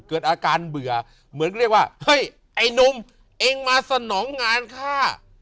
เกิดอาการเบื่อเหมือนเรียกว่าเฮ้ยไอ้นุ่มเองมาสนองงานฆ่า